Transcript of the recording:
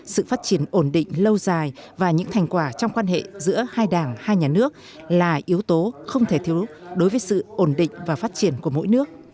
sự phát triển ổn định lâu dài và những thành quả trong quan hệ giữa hai đảng hai nhà nước là yếu tố không thể thiếu đối với sự ổn định và phát triển của mỗi nước